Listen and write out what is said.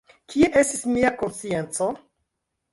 Kie estis mia konscienco!